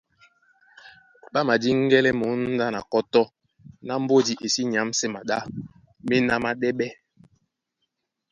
Ɓá madíŋgɛ́lɛ̀ mǒndá na kɔ́tɔ́ ná mbódi í sí nyǎmsɛ́ maɗá méná máɗɛ́ɓɛ́.